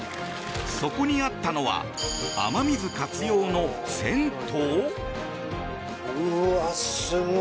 そこにあったのは雨水活用の銭湯？